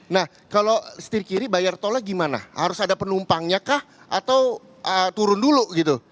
nah kalau setir kiri bayar tolnya gimana harus ada penumpangnya kah atau turun dulu gitu